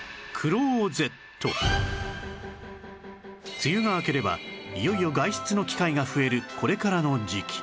梅雨が明ければいよいよ外出の機会が増えるこれからの時期